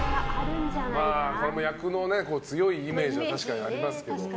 これも役の強いイメージは確かにありますけど。